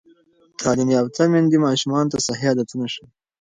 تعلیم یافته میندې ماشومانو ته صحي عادتونه ښيي.